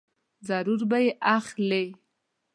ضرور به یې اخلې !